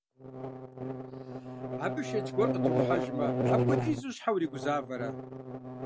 Абы шэч гуэр къытумыхьэжмэ, апхуэдизу щхьэ уригузавэрэ?